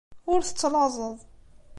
Ur tettlaẓeḍ.